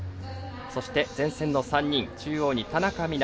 そして、前線の３人中央に田中美南。